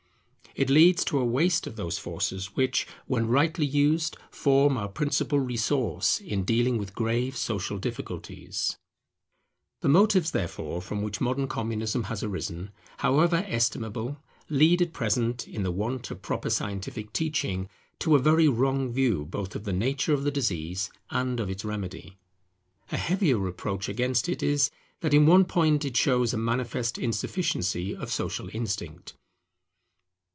It leads to a waste of those forces which, when rightly used, form our principal resource in dealing with grave social difficulties. [Communism is deficient in the historical spirit] The motives, therefore, from which modern Communism has arisen, however estimable, lead at present, in the want of proper scientific teaching, to a very wrong view both of the nature of the disease and of its remedy. A heavier reproach against it is, that in one point it shows a manifest insufficiency of social instinct.